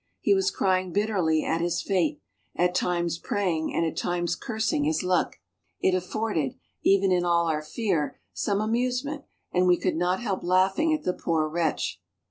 He was crying bitterly at his fate, at times praying and at times cursing his luck. It afforded (even in all our fear) some amuse ment and we could not help laughing at the poor wretch.